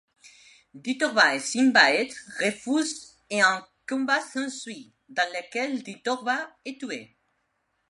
Díthorba et Cimbáeth refusent et un combat s'ensuit dans lequel Díthorba est tué.